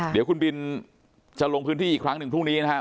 เดี๋ยวคุณบินจะลงพื้นที่อีกครั้งหนึ่งพรุ่งนี้นะครับ